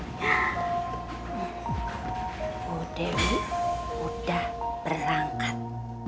ibu dewi udah berangkat